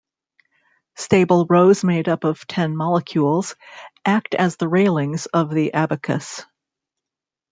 Stable rows made up of ten molecules act as the railings of the abacus.